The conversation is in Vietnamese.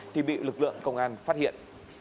thì bị lực lượng công an phát hiện